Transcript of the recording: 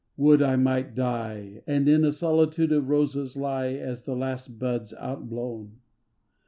Would I might die And in a solitude of roses lie As the last bud's outblown.